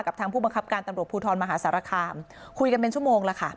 ทางผู้บังคับการตำรวจภูทรมหาสารคามคุยกันเป็นชั่วโมงแล้วค่ะ